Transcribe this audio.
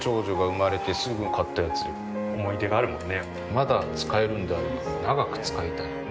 まだ使えるんであれば長く使いたい。